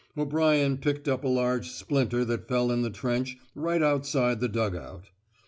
O'Brien picked up a large splinter that fell in the trench right outside the dug out.